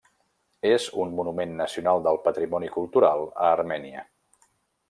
És un monument nacional del patrimoni cultura a Armènia.